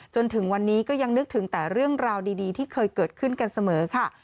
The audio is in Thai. จนถึงวันนี้ก็ยังนึกถึงแต่เรื่องราวดีที่เคยเกิดขึ้นกันเสมอค่ะ